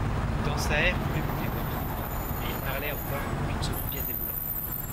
Dansaert voulut monter voir ; mais il parlait encore, qu'une seconde pièce déboula.